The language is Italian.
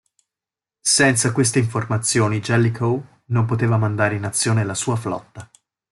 Senza queste informazioni Jellicoe non poteva mandare in azione la sua flotta.